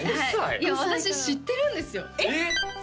いや私知ってるんですよえっ！